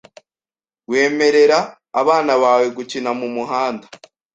Wemerera abana bawe gukina mumuhanda?